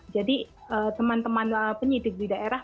jadi teman teman penyidik di daerah